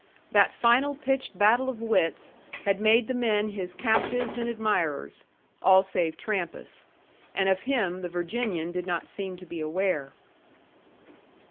That final pitched battle of wits had made the men his captives and admirers all save Trampas. And of him the Virginian did not seem to be aware.